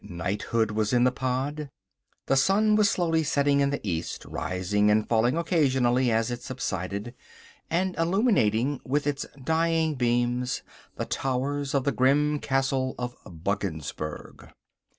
Knighthood was in the pod. The sun was slowly setting in the east, rising and falling occasionally as it subsided, and illuminating with its dying beams the towers of the grim castle of Buggensberg.